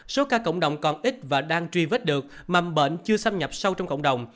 số ca cộng đồng còn ít và đang truy vết được mầm bệnh chưa xâm nhập sâu trong cộng đồng